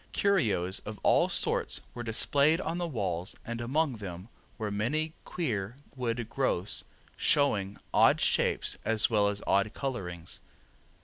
Curios of all sorts were displayed on the walls, and among them were many queer wood growths showing odd shapes as well as odd colorings.